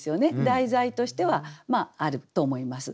題材としてはあると思います。